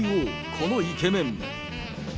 このイケメン。